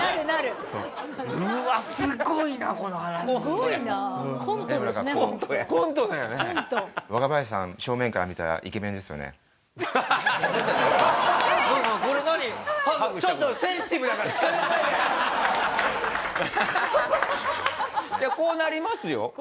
いやこうなりますよ